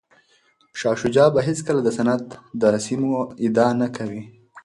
شاه شجاع به هیڅکله د سند د سیمو ادعا نه کوي.